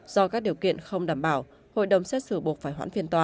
do các điều kiện không đảm bảo hội đồng xét xử buộc phải hoãn phiên tòa